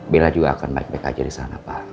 bella juga akan baik baik aja disana pak